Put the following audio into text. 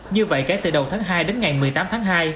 như vậy kể từ đầu tháng hai đến ngày một mươi tám tháng hai